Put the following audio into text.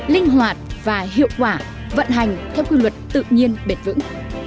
linh hoạt và hiệu quả vận hành theo quy luật tự nhiên bền vững